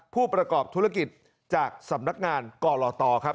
ผู้ประกอบธุรกิจจากสำนักงานกรตครับ